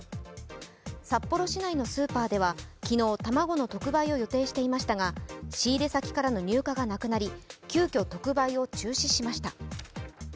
札幌市内のスーパーでは昨日、卵の特売を予定していましたが仕入れ先からの入荷がなくなり、急きょ、特売を中止しました。